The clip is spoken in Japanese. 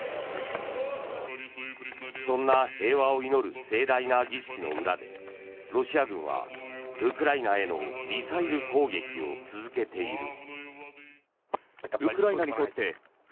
そんな平和を祈る盛大な儀式の裏でロシア軍はウクライナへのミサイル攻撃を続けている。